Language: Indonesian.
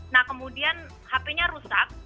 nah kemudian hp nya rusak